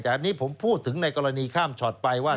แต่อันนี้ผมพูดถึงในกรณีข้ามช็อตไปว่า